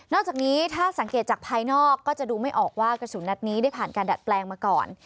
อกจากนี้ถ้าสังเกตจากภายนอกก็จะดูไม่ออกว่ากระสุนนัดนี้ได้ผ่านการดัดแปลงมาก่อน